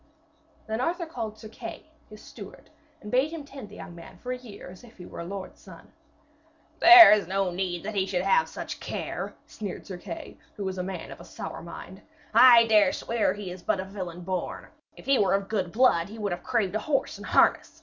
Then King Arthur called Sir Kay, his steward, and bade him tend the young man for a year as if he were a lord's son. 'There is no need that he should have such care,' sneered Sir Kay, who was a man of a sour mind. 'I dare swear that he is but a villein born. If he were of good blood he would have craved a horse and harness.